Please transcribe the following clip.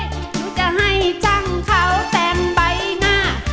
หนูจะให้จังเขาเต็มใบหน้า